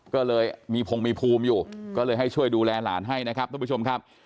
ก็เลยมีพงมีภูมิอยู่ก็เลยให้ช่วยดูแลหลานให้นะครับทุกผู้ชมครับ